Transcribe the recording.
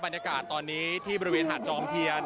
บรรยากาศตอนนี้ที่บริเวณหาดจอมเทียน